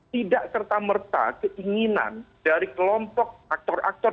tidak serta merta keinginan dari kelompok aktor aktor